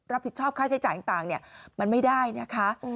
รับผิดชอบค่าใช้จ่ายต่างมันไม่ได้นะคะ